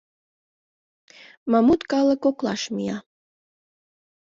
Мамут калык коклаш мия.